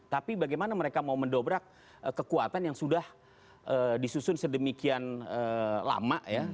tapi bagaimana mereka mau mendobrak kekuatan yang sudah disusun sedemikian lama ya